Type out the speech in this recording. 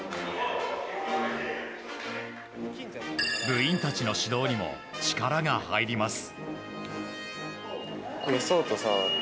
部員たちの指導にも力が入ります。